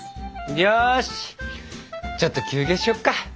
よしちょっと休憩しよっか。